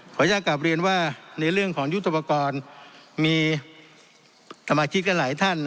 ขออนุญาตกลับเรียนว่าในเรื่องของยุทธภกรมมีธรรมคิตก็หลายท่าน